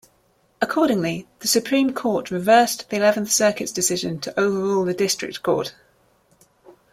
Accordingly, the Supreme Court reversed the Eleventh Circuit's decision to overrule the district court.